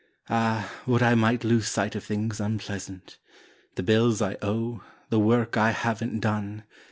Ah, would I might lose sight of things unpleasant: The bills I owe; the work I haven't done.